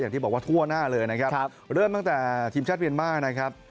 อย่างที่บอกว่าทั่วหน้าเลยนะครับเริ่มตั้งแต่ทีมชาติเมียนมาร์นะครับ